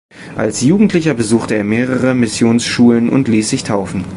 Als Jugendlicher besuchte er mehrere Missionsschulen und ließ sich taufen.